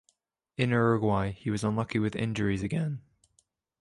In Uruguay he was unlucky with injuries again.